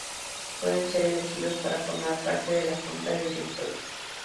Pueden ser elegidos para formar parte de la Junta de Directores.